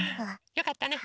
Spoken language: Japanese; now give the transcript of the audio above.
よかったね。